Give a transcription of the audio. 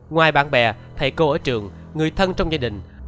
ngoài bạn bè thầy cô ở trường người thân trong gia đình